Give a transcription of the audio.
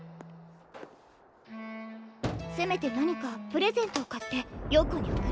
せめて何かプレゼントを買って陽子におくろう。